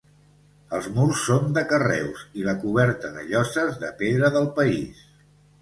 Els murs són de carreus i la coberta de lloses de pedra del país.